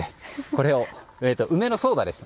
これは梅のソーダです。